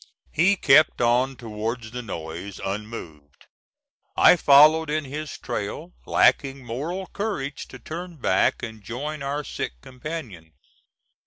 He kept on towards the noise, unmoved. I followed in his trail, lacking moral courage to turn back and join our sick companion.